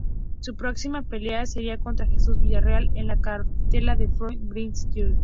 Su próxima pelea sería contra Jesús Villarreal en la cartelera de Floyd Mayweather, Jr.